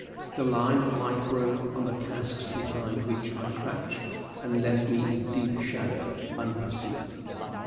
The line of light broke on the casks behind which I crouched, and left me in deep shadow unperceived.